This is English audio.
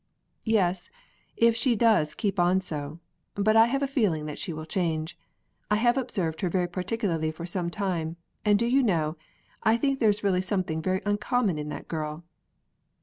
"Yes, if she does keep on so. But I have a feeling that she will change. I have observed her very particularly for some time, and do you know, I think there is really something very uncommon in that girl."